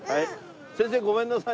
先生ごめんなさい。